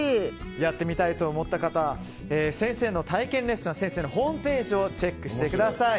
やってみたいと思った方先生の体験レッスンは先生のホームページをチェックしてください。